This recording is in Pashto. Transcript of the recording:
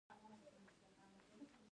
زدهکړیز نصاب کې دې پښتو ته ارزښت ورکړل سي.